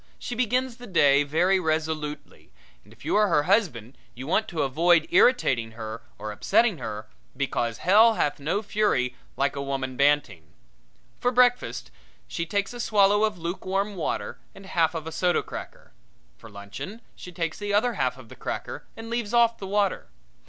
She begins the day very resolutely, and if you are her husband you want to avoid irritating her or upsetting her, because hell hath no fury like a woman banting. For breakfast she takes a swallow of lukewarm water and half of a soda cracker. For luncheon she takes the other half of the cracker and leaves off the water.